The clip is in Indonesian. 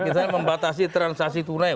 kita membatasi transaksi tunai